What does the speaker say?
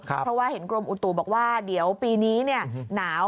เพราะว่าเห็นกรมอุตุบอกว่าเดี๋ยวปีนี้หนาว